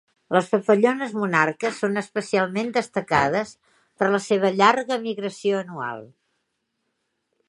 Les papallones monarca són especialment destacades per la seva llarga migració anual.